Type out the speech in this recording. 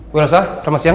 bu elsa selamat siang